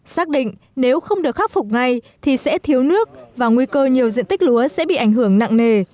xác định nếu không được khắc phục ngay thì sẽ thiếu nước và nguy cơ nhiều diện tích lúa sẽ bị ảnh hưởng nặng nề